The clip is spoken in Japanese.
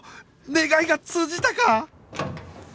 願いが通じたか？